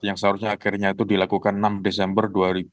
yang seharusnya akhirnya itu dilakukan enam desember dua ribu dua puluh